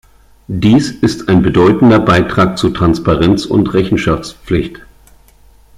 Dies ist ein bedeutender Beitrag zu Transparenz und Rechenschaftspflicht.